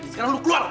sekarang lo keluar